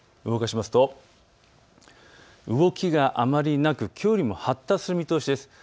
動かしますと動きがあまりなく、きょうより発達する見通しです。